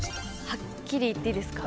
はっきり言っていいですか。